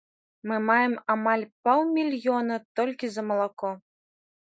Мы маем амаль паўмільёна толькі за малако.